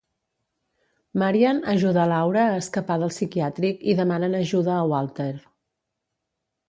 Marian ajuda Laura a escapar del psiquiàtric i demanen ajuda a Walter.